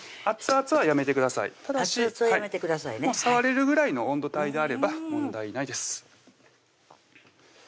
熱々はやめてくださいね触れるぐらいの温度帯であれば問題ないです